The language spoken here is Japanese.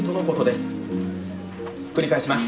繰り返します。